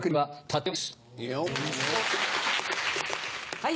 はい。